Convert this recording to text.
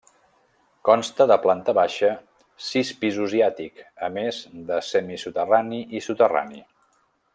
Consta de planta baixa, sis pisos i àtic, a més de semisoterrani i soterrani.